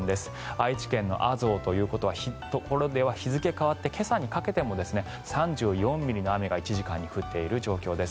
愛知県の阿蔵というところでは日付が変わって今朝にかけても３４ミリの雨が１時間に降っている状況です。